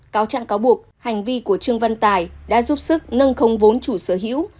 cáo trạng cáo buộc hành vi của trương văn tài đã giúp sức nâng không vốn chủ sở hữu